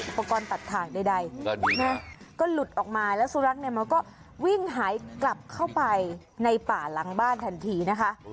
ปกรณ์ตัดถ่างใดก็หลุดออกมาแล้วสุนัขเนี่ยมันก็วิ่งหายกลับเข้าไปในป่าหลังบ้านทันทีนะคะ